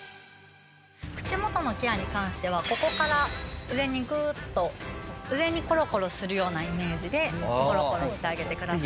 口元のケアに関してはここから上にグーッと上にコロコロするようなイメージでコロコロしてあげてください。